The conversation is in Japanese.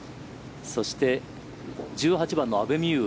そして、１８番の阿部未悠。